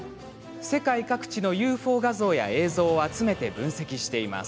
世界各地のＵＦＯ画像や映像を集めて分析しています。